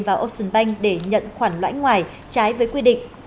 và ocean bank để nhận khoản loãnh ngoài trái với quy định